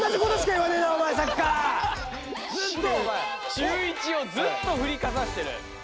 中１をずっとふりかざしてる。